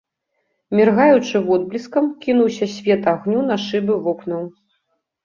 Міргаючы водбліскам, кінуўся свет агню на шыбы вокнаў.